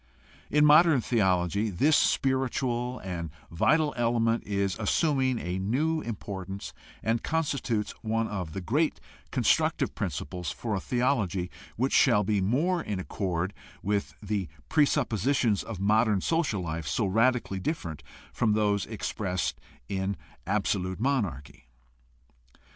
In modern theology this spiritual and vital element is assuming a new importance and constitutes one of the great constructive principles for a theology which shall be more in accord with the presuppositions of modern social life so radically different from those expressed in absolute monarchy.